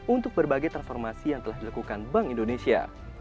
untuk berbagai transformasi yang telah dilakukan bank indonesia